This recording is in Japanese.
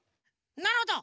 なるほど！